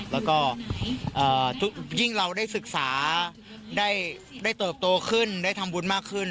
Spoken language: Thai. แล้วก็ยิ่งเราได้ศึกษาได้เติบโตขึ้นได้ทำบุญมากขึ้น